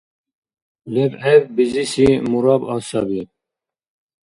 ЛебгӀеб бизиси мурабба саби.